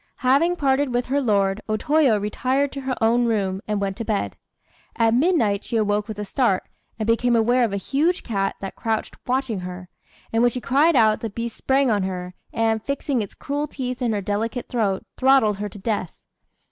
Having parted with her lord, O Toyo retired to her own room and went to bed. At midnight she awoke with a start, and became aware of a huge cat that crouched watching her; and when she cried out, the beast sprang on her, and, fixing its cruel teeth in her delicate throat, throttled her to death.